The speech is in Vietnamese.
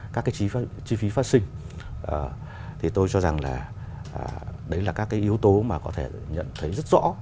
các cái chi phí phát sinh thì tôi cho rằng là đấy là các cái yếu tố mà có thể nhận thấy rất rõ